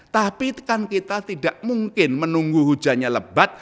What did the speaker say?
tapi kan kita tidak mungkin menunggu hujannya lebat